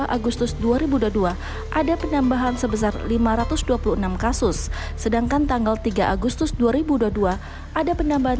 dua agustus dua ribu dua ada penambahan sebesar lima ratus dua puluh enam kasus sedangkan tanggal tiga agustus dua ribu dua ada penambahan